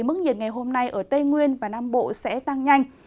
mức nhiệt ngày hôm nay ở tây nguyên và nam bộ sẽ tăng nhanh